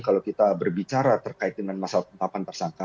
kalau kita berbicara terkait dengan masalah penetapan tersangka